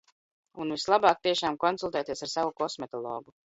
Un vislabāk tiešām konsultēties ar savu kosmetologu.